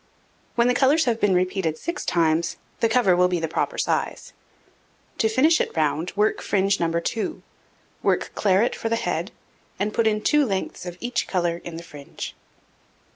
When the colours have been repeated 6 times, the cover will be the proper size. To finish it round, work fringe No. 2, work claret for the head, and put in two lengths of each colour in the fringe.